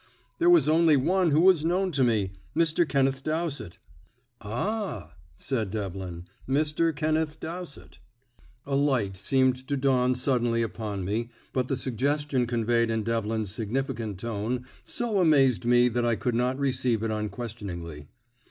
"There was only one who was known to me Mr. Kenneth Dowsett." "Ah!" said Devlin. "Mr. Kenneth Dowsett." A light seemed to dawn suddenly upon me, but the suggestion conveyed in Devlin's significant tone so amazed me that I could not receive it unquestioningly.